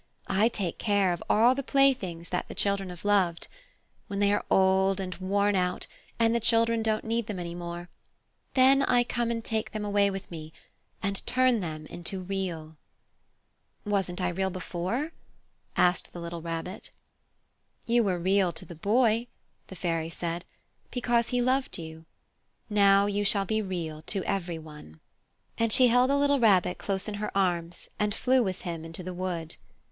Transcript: "I take care of all the playthings that the children have loved. When they are old and worn out and the children don't need them any more, then I come and take them away with me and turn them into Real." "Wasn't I Real before?" asked the little Rabbit. "You were Real to the Boy," the Fairy said, "because he loved you. Now you shall be Real to every one." The Fairy Flower And she held the little Rabbit close in her arms and flew with him into the wood.